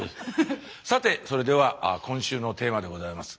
さてそれでは今週のテーマでございます。